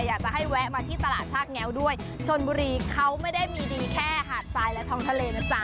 อยากจะให้แวะมาที่ตลาดชากแง้วด้วยชนบุรีเขาไม่ได้มีดีแค่หาดทรายและท้องทะเลนะจ๊ะ